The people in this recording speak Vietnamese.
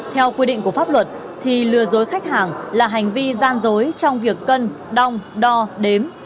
theo quy định của pháp luật thì lừa dối khách hàng là hành vi gian dối trong việc cân đong đo đếm